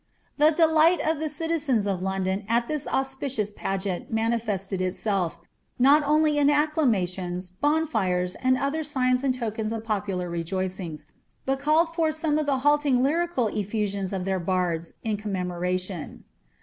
The delight of the citizens of London at this auspicious pagaaot manifested itself, not only in acclamations, bonfires, and other fieiia and tokens of popular rejoicings, but called forth some of the halt ing lyrical effusions of their bards, in commemoration.